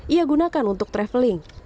ia gunakan untuk traveling